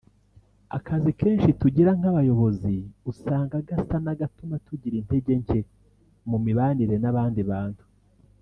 Akazi kenshi tugira nk’abayobozi usanga gasa n’agatuma tugira intege nke mu mibanire n’abandi bantu